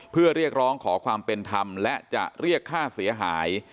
เพื่อเรียกร้องขอความเป็นธรรมและจะเรียกค่าเสียหาย